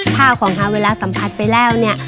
ข้าวของเขาเวลาสัมผัสไปแล้วเนี่ย